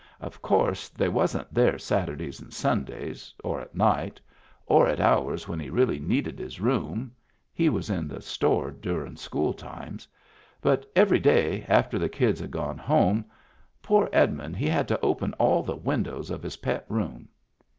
Of course they wasn't there Saturdays and Sundays, or at night, or at hours when he really needed his room — he was in the store durin' school time — but every day, after the kids had gone home, poor Edmund he had to open all the windows of his pet room.